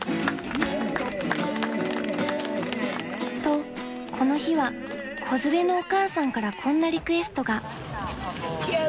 ［とこの日は子連れのお母さんからこんなリクエストが］